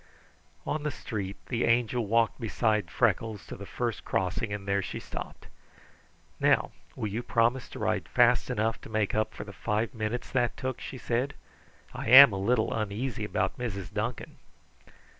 On the street the Angel walked beside Freckles to the first crossing and there she stopped. "Now, will you promise to ride fast enough to make up for the five minutes that took?" she asked. "I am a little uneasy about Mrs. Duncan."